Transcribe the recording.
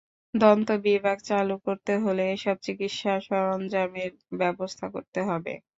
দন্ত বিভাগ চালু করতে হলে এসব চিকিৎসা সরঞ্জামের ব্যবস্থা করতে হবে।